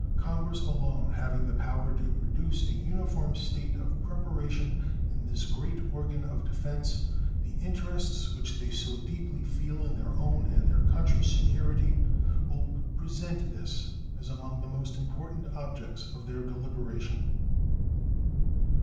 Congress alone having the power to produce an uniform state of preparation in this great organ of defense, the interests which they so deeply feel in their own and their country's security will present this as among the most important objects of their deliberation.